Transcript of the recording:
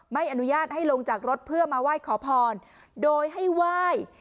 ไม่อนุญาตให้ลงจากรถเพื่อมาไหว้ขอพรโดยให้ไหว้